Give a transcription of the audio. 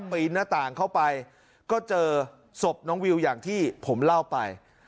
ปีนหน้าต่างเข้าไปก็เจอศพน้องวิวอย่างที่ผมเล่าไป